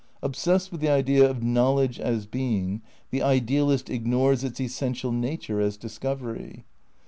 Obsessed with the idea of knowledge as being, the idealist ignores its essential nature as discovery.